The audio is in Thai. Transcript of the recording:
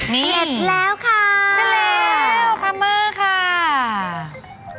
นี่เสร็จแล้วค่ะเสร็จแล้วไอฟรามเมอร์ค่ะนี่